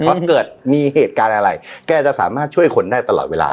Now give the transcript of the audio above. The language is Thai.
เพราะเกิดมีเหตุการณ์อะไรแกจะสามารถช่วยคนได้ตลอดเวลา